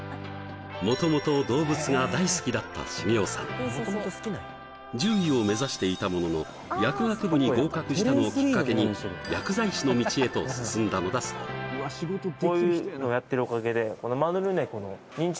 元々動物が大好きだったＳｈｉｇｅｏさん獣医を目指していたものの薬学部に合格したのをきっかけに薬剤師の道へと進んだのだそうそうですね